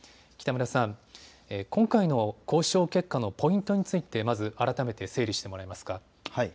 北村さん、今回の交渉結果のポイントについて改めて整理してもらえますか。